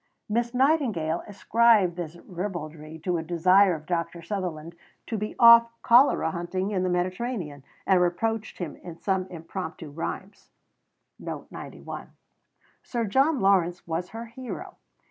Miss Nightingale ascribed this ribaldry to a desire of Dr. Sutherland to be off cholera hunting in the Mediterranean, and reproached him in some impromptu rhymes. Sir John Lawrence was her hero.